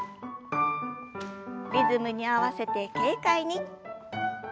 リズムに合わせて軽快に。